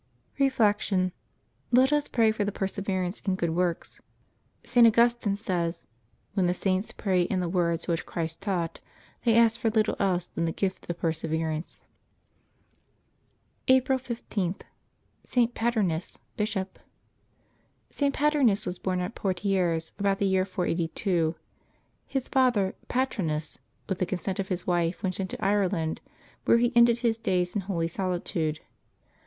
Reflection. — Let us pray for perseverance in good works. St. Augustine says, "When the Saints pray in the words which Christ taught, they ask for little else than the gift of perseverance." April 15.— ST. PATERNUS, Bishop. [t. Pateenus w^as born at Poitiers, about the year 483. His father, Patranus, with the consent of his wife, went into Ireland, where he ended his days in holy solitude.